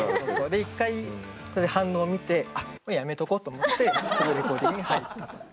で一回反応を見てやめておこうと思ってすぐレコーディングに入ったという。